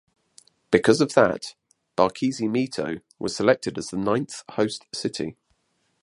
Because of that, Barquisimeto was selected as the ninth host city.